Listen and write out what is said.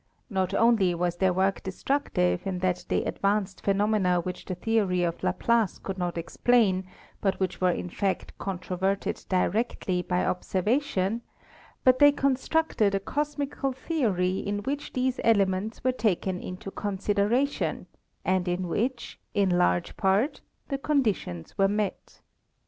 Not only was their work destructive in that they advanced phenomena which the theory of Laplace could not explain, but which were in fact controverted di rectly by observation, but they constructed a cosmical the ory in which these elements were taken into consideration and in which, in large part, the conditions were met.